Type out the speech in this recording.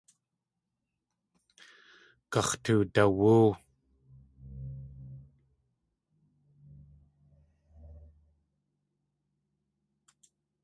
Gax̲tudawóo.